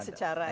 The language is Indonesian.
ya secara ini